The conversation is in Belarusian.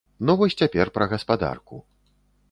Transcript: Ну вось цяпер пра гаспадарку.